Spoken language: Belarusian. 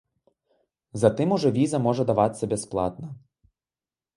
Затым ужо віза можа давацца бясплатна.